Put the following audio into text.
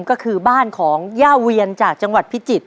ก็คือบ้านของย่าเวียนจากจังหวัดพิจิตร